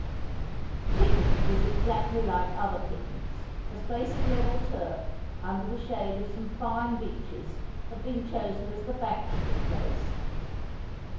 The picnic was exactly like other picnics. A space of level turf, under the shade of some fine beeches, had been chosen as the banqueting place.